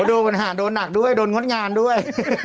โดนปัญหาโดนหนักด้วยโดนงดงามด้วย